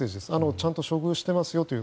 ちゃんと処遇していますよという。